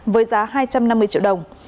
với giá hai trăm năm mươi triệu đồng